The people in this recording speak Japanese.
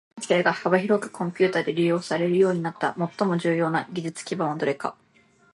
音声が幅広くコンピュータで利用されるようになった最も重要な技術基盤はどれか。